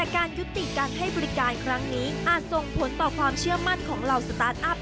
ครั้งนี้อาจทรงผลต่อความเชื่อมัติของเหล่าสตาร์ทอัพ